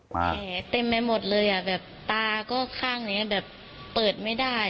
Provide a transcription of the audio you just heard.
แต่อเต็มไปหมดเลยนะตาก็ค่อนข้างนี้เปิดไม่ได้ค่ะ